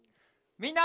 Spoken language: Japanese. みんな。